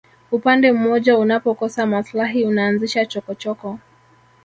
upande mmoja unapokosa maslahi unaanzisha chokochoko